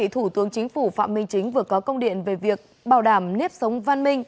thủ tướng chính phủ phạm minh chính vừa có công điện về việc bảo đảm nếp sống văn minh